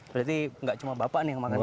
berarti enggak cuma bapak nih yang makan karak